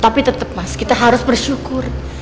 tapi tetap mas kita harus bersyukur